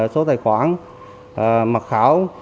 số tài khoản mật khảo